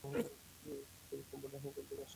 চীন, Cambodia, Hong Kong থেক আসছে।